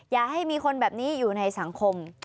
อย่าให้มีคนแบบนี้อยู่ในสังคม